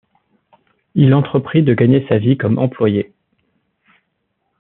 Il entreprit de gagner sa vie comme employé.